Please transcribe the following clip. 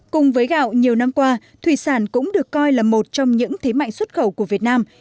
cùng với gạo nhiều năm qua thủy sản cũng được coi là một trong những thế mạnh xuất khẩu của việt nam